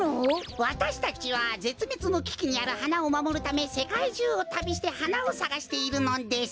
わたしたちはぜつめつのききにあるはなをまもるためせかいじゅうをたびしてはなをさがしているのです。